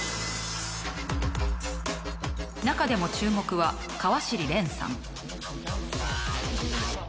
中でも注目は川尻蓮さん。